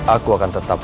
aku akan tetap